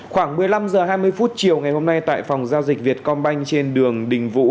khoảng một mươi năm h hai mươi chiều ngày hôm nay tại phòng giao dịch việt công banh trên đường đình vũ